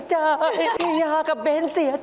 หรือใครกำลังร้อนเงิน